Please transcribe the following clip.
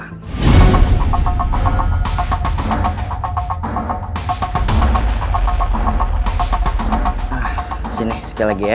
nah sini sikit lagi ya